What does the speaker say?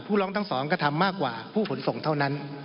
ร้องทั้งสองกระทำมากกว่าผู้ขนส่งเท่านั้น